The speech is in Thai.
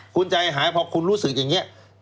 คุณใจหายพอคุณรู้สึกอย่างนี้